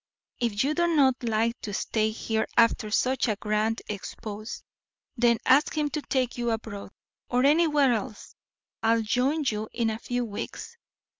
If you do not like to stay here after such a grand expose, then ask him to take you abroad, or anywhere else. I will join you in a few weeks.